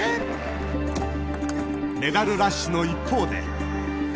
メダルラッシュの一方で。